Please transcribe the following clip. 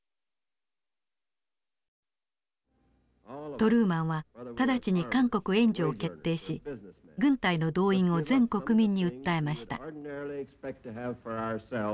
トルーマンは直ちに韓国援助を決定し軍隊の動員を全国民に訴えました。